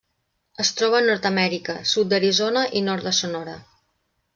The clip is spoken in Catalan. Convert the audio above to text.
Es troba a Nord-amèrica: sud d'Arizona i nord de Sonora.